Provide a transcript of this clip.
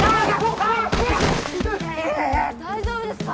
大丈夫ですか？